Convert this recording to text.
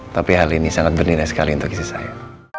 tapi hal ini sangat bernilai sekali untuk istri saya